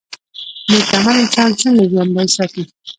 نیک عمل انسان څنګه ژوندی ساتي؟